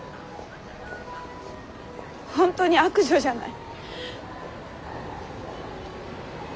本当に悪女じゃない。